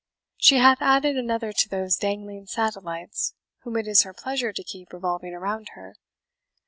She hath added another to those dangling satellites whom it is her pleasure to keep revolving around her."